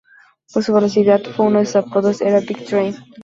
Por su velocidad, uno de sus apodos era "Big Train".